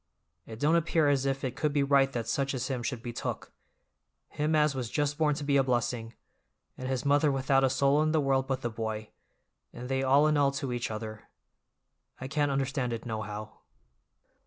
It don't appear as if it could be right that such as him should be took—him as was just born to be a blessing, and his mother without a soul in the world but the boy, and they all in all to each other. I can't understand it, nohow."